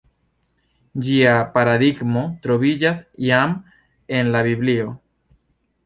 Ĝia paradigmo troviĝas jam en la Biblio.